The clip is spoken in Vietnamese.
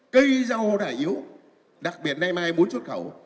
cây rau này yếu đặc biệt nay mai muốn xuất khẩu